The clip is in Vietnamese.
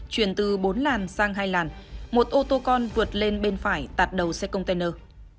chuyển từ bốn làn sang hai làn một ô tô con vượt lên bên phải tạt đầu xe container